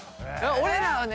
俺らはね